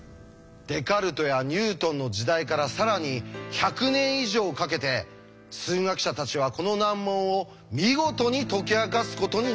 デカルトやニュートンの時代から更に１００年以上かけて数学者たちはこの難問を見事に解き明かすことになるんです。